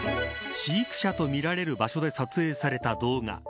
飼育舎とみられる場所で撮影された動画。